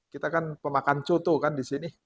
kita kan pemakan coto kan di sini